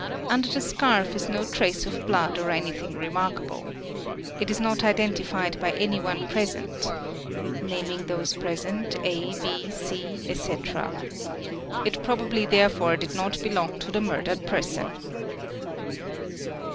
Under the scarf is no trace of blood or anything remarkable. It is not indentified by anyone present, (naming those present, A, B, C, etc.) ; it probably there , fore did not belong to the murdered person."